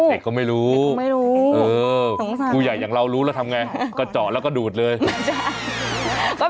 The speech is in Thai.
เด็กก็ไม่รู้ไม่รู้ผู้ใหญ่อย่างเรารู้แล้วทำไงก็เจาะแล้วก็ดูดเลย